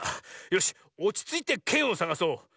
よしおちついてけんをさがそう。